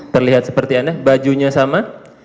terlihat seperti anda bajunya sama